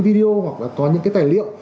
video hoặc là có những cái tài liệu